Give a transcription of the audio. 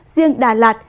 riêng đà lạt